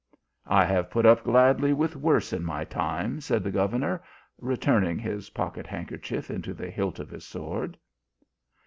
" I have put up gladly with worse in my time," said the governor, returning his pocket handkerchief into the hilt of his sword.